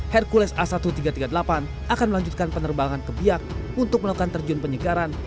hercules a seribu tiga ratus tiga puluh delapan akan melanjutkan penerbangan ke biak untuk melakukan terjun penyegaran